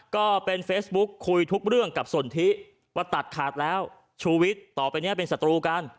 ก็เป็นเฟซบุ๊คคุยทุกเรื่องกับสนทิว่าตัดขาดแล้วชูวิทย์ต่อไปเนี่ยเป็นศัตรูกัน